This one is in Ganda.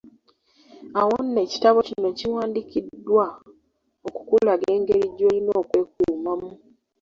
Awo nno ekitabo kino kiwandikiddwa okukulaga engeri gy'oyinza okwekuumamu.